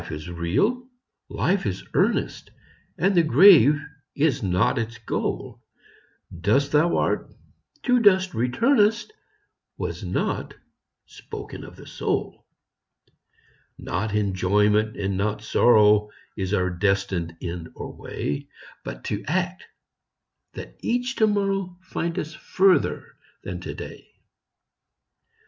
Life is real ! Life is earnest ! And the grave is not its goal ; Dust thou art, to dust returnest, Was not spoken of the soul. VOICES OF THE NIGHT. Not enjoyment, and not sorrow, Is our destined end or way ; But to act, that each to morrow Find us farther than to day.